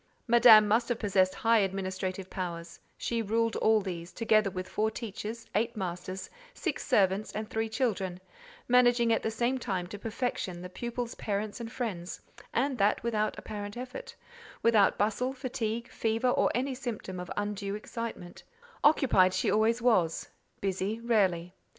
Madame must have possessed high administrative powers: she ruled all these, together with four teachers, eight masters, six servants, and three children, managing at the same time to perfection the pupils' parents and friends; and that without apparent effort; without bustle, fatigue, fever, or any symptom of undue, excitement: occupied she always was—busy, rarely.